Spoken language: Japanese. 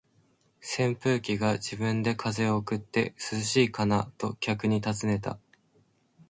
扇風機が自分で風を送って、「涼しいかな？」と客に尋ねた。